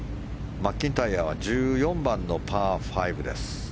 マッキンタイヤは１４番のパー５です。